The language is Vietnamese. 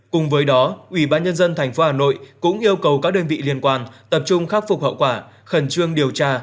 cùng với đó ubnd tp hà nội cũng yêu cầu các đơn vị liên quan tập trung khắc phục hậu quả khẩn trương điều tra